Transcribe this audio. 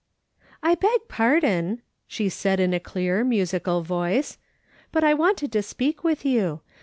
" I beg pardon," she said in a clear, musical voice, " but I wanted to speak with you.